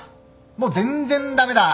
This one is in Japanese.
もう全然駄目だ。